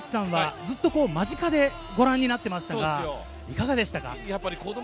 アイクさんはずっと間近でご覧になっていましたがいかがでしたか？